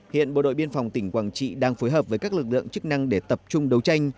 hiện bộ đội biên phòng tỉnh quảng trị đang phối hợp với các lực lượng chức năng để tập trung đấu tranh